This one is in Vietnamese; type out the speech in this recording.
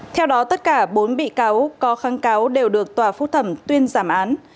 theo đó tất cả bốn bị cáo có kháng cáo đều được tòa phúc thẩm tuyên giảm án